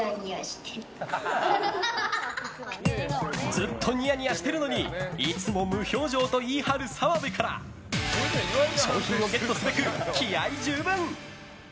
ずっとニヤニヤしているのにいつも無表情と言い張る澤部から賞品をゲットすべく気合十分！